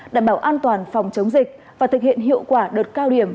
đảm bảo an toàn phòng chống dịch và thực hiện hiệu quả đợt cao điểm